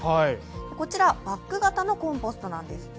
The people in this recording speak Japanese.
こちら、バッグ型のコンポストなんです。